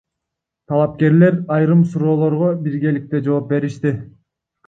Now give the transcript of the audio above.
Талапкерлер айрым суроолорго биргеликте жооп беришти.